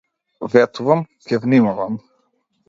Ветувам, ќе внимавам!